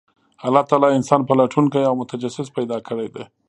الله تعالی انسان پلټونکی او متجسس پیدا کړی دی،